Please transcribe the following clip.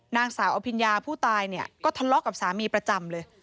นางสาวอภิญญาผู้ตายเนี่ยก็ทะเลาะกับสามีประจำเลย